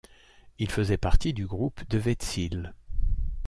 Il faisait partie du groupe Devětsil.